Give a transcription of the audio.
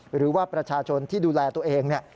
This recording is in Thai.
หรือว่าประชาชนที่ดูแลตัวเองเนี่ย